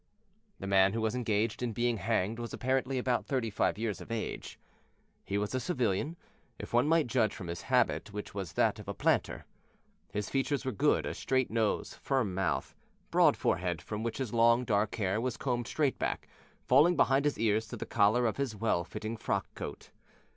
The man who was engaged in being hanged was apparently about thirty five years of age. He was a civilian, if one might judge from his habit, which was that of a planter. His features were good a straight nose, firm mouth, broad forehead, from which his long, dark hair was combed straight back, falling behind his ears to the collar of his well fitting frock coat.